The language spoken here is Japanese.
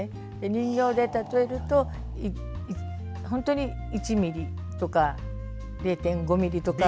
人形で例えると、本当に１ｍｍとか、０．５ｍｍとか。